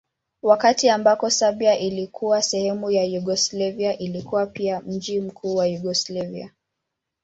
Wakati ambako Serbia ilikuwa sehemu ya Yugoslavia ilikuwa pia mji mkuu wa Yugoslavia.